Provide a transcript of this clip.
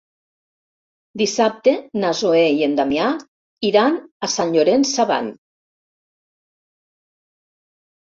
Dissabte na Zoè i en Damià iran a Sant Llorenç Savall.